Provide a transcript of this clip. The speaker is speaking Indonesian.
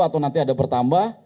atau nanti ada bertambah